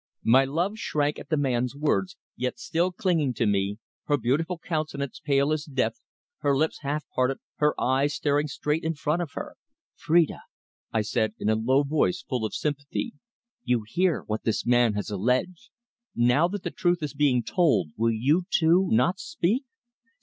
My love shrank at the man's words, yet still clinging to me, her beautiful countenance pale as death, her lips half parted, her eyes staring straight in front of her. "Phrida," I said in a low voice, full of sympathy, "you hear what this man has alleged? Now that the truth is being told, will you, too, not speak?